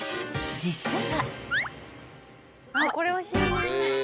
［実は］